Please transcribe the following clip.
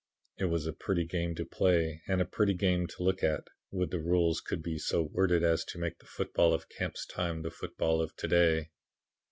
"It was a pretty game to play and a pretty game to look at. Would that the rules could be so worded as to make the football of Camp's time the football of to day!